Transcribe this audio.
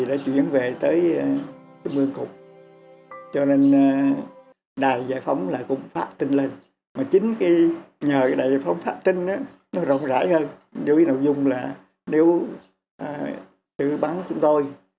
và chúng tôi giáo dục con cháu mình phải nhớ công ơn đó